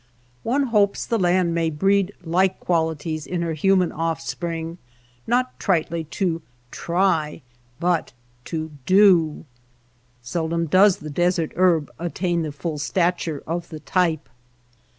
One hopes the land may breed i like qualities in her human offspring, not tritely to " try," but to do. Seldom does the desert herb attain the full stature of the type.